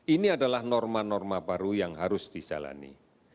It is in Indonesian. ini adalah norma norma baru yang harus dijalani